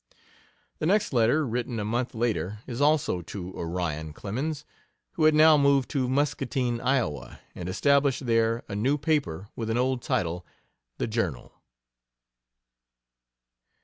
The next letter, written a month later, is also to Orion Clemens, who had now moved to Muscatine, Iowa, and established there a new paper with an old title, 'The Journal'.